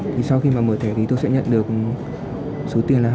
thì sau khi mà mở thẻ thì tôi sẽ nhận được số tiền là hai trăm năm mươi